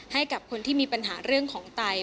ให้กับคนที่มีปัญหาเรื่องของไต